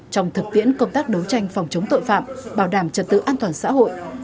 trong thực tiễn công tác đấu tranh phòng chống tội phạm bảo đảm trật tự an toàn xã hội